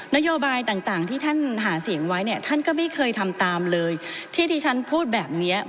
นโยบายต่างที่ท่านหาเสียงไว้เนี่ยท่านก็ไม่เคยทำตามเลยที่ที่ฉันพูดแบบนี้